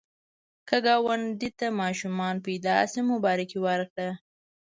که ګاونډي ته ماشوم پیدا شي، مبارکي ورکړه